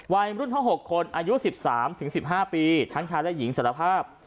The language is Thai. วัยรุ่นทั้ง๖คนอายุ๑๓๑๕ปีทั้งชายและหญิงสารภาพ